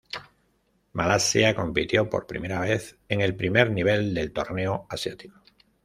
Malasia compitió por primera vez en el primer nivel del torneo asiático.